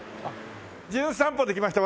『じゅん散歩』で来ました